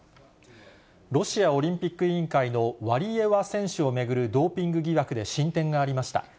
ロシアオリンピック委員会のワリエワ選手を巡るドーピング疑惑で進展がありました。